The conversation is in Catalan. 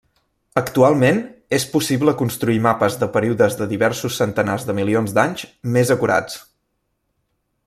Actualment, és possible construir mapes de períodes de diversos centenars de milions d'anys, més acurats.